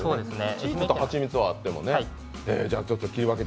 チーズと蜂蜜はあってもね。